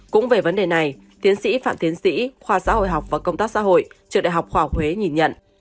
cũng về vấn đề này tiến sĩ phạm tiến sĩ khoa xã hội học và công tác xã hội trường đại học khoa học huế nhìn nhận